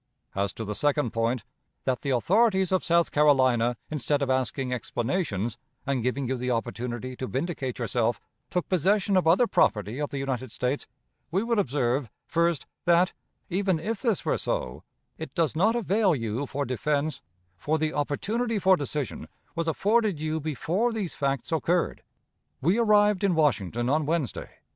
As to the second point, that the authorities of South Carolina, instead of asking explanations, and giving you the opportunity to vindicate yourself, took possession of other property of the United States, we would observe, first, that, even if this were so, it does not avail you for defense, for the opportunity for decision was afforded you before these facts occurred. We arrived in Washington on Wednesday.